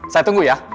saya tunggu ya